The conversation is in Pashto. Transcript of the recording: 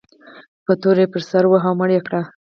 په توره یې پر سر وواهه او مړ یې کړ.